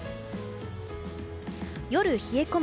夜、冷え込む